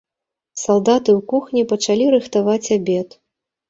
Салдаты ў кухні пачалі рыхтаваць абед.